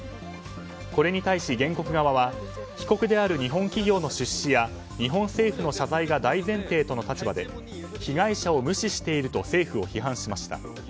これに対し原告側は被告である日本企業の出資や日本政府の謝罪が大前提との立場で被害者を無視していると政府を批判しました。